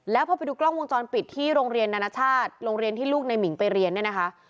แล้วพอไปดูกล้องวงจรปิดที่โรงเรียนนานาชาติโรงเรียนที่ลูกในหมิงไปเรียนเนี่ยนะคะ